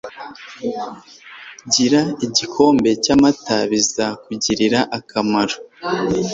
Gira igikombe cyamata. Bizakugirira akamaro.